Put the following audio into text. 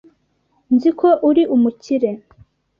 Nzi ko uri umukire.